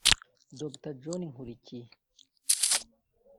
Dr John Nkurikiye